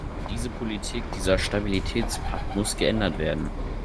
Diese Politik, dieser Stabilitätspakt muss geändert werden.